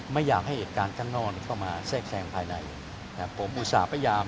ไม่อยากให้เหตุการณ์ข้างนอกเข้ามาแทรกแทรงภายในผมอุตส่าห์พยายาม